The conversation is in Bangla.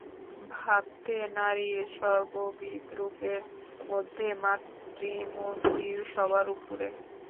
ভারতে নারীর সর্ববিধ রূপের মধ্যে মাতৃমূর্তি সবার উপরে।